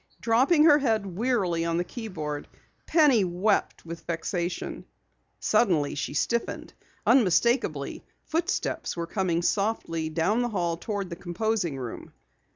Dropping her head wearily on the keyboard, Penny wept with vexation. Suddenly she stiffened. Unmistakably, footsteps were coming softly down the hall toward the composing room.